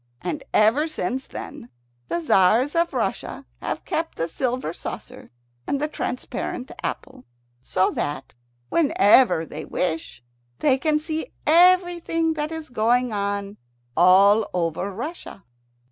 And ever since then the Tzars of Russia have kept the silver saucer and the transparent apple, so that, whenever they wish, they can see everything that is going on all over Russia.